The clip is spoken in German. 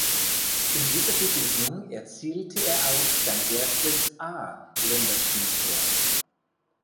In dieser Begegnung erzielte er auch sein erstes A-Länderspieltor.